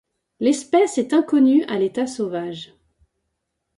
L'espèce est inconnue à l'état sauvage.